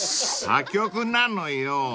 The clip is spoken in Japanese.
［他局なのよ］